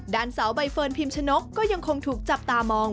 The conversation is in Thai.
สาวใบเฟิร์นพิมชนกก็ยังคงถูกจับตามอง